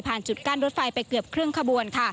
ผ่านจุดกั้นรถไฟไปเกือบครึ่งขบวน